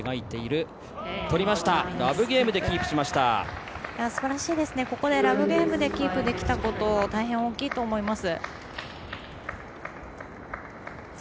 ここでラブゲームでキープできたこと大変大きいと思います。